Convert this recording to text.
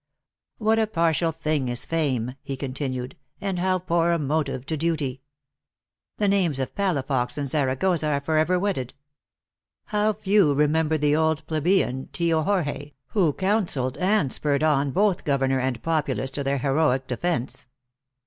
What a par tial thing is fame," he continued, " and how poor a motive to duty ! The names of Palafox and Zara goza are forever wedded. How few remember the old plebeian, Tio Jorge, who counseled and spurred on both governor and populace to their heroic de fence.!"